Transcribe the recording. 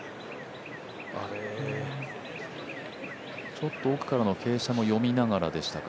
ちょっと奥からの傾斜も、読みながらでしたか。